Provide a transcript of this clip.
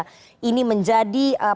pertama kali yang akan diperoleh